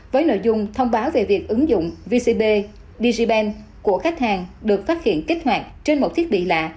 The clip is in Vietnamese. với nội dung thông báo về việc ứng dụng vcb digipen của khách hàng được phát hiện kết hoạt trên một thiết bị lạ